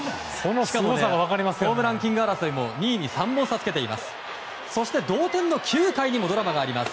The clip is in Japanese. ホームランキング争いも２位に３本差をつけています。